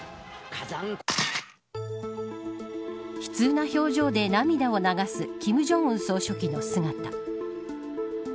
悲痛な表情で涙を流す金正恩総書記の姿。